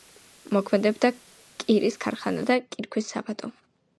მოქმედებდა კირის ქარხანა და კირქვის საბადო.